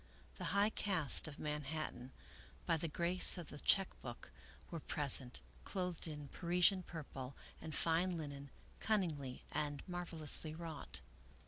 The high caste of Man hattan, by the grace of the check book, were present, clothed in Parisian purple and fine linen, cunningly and marvelously wrought.